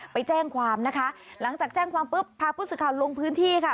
ไปแจ้งความนะคะหลังจากแจ้งความปุ๊บพาผู้สื่อข่าวลงพื้นที่ค่ะ